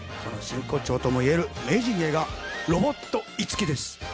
その真骨頂ともいえる名人芸がロボット五木です。